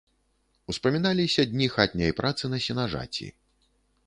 Успаміналіся дні хатняй працы на сенажаці.